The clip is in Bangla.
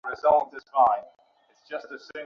পড়িবার প্রস্তাবটা মহেন্দ্র আর তুলিল না।